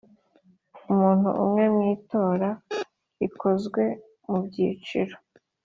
umuntu umwe mu itora rikozwe mu byiciro